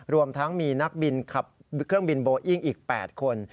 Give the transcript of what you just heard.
รวมทั้งมีนักบินขับเครื่องบินโบอิ้งอีก๘คน